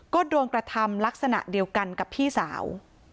ก็โดนกระทำลักษณะเดียวกันกับพี่สาว